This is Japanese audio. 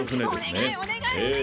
お願いお願いえ